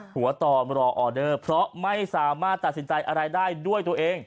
ตอนรอออเดอร์เพราะไม่สามารถตัดสินใจอะไรได้ด้วยตัวเอง